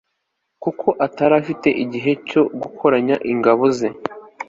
kuko atari agifite igihe cyo gukoranya ingabo ze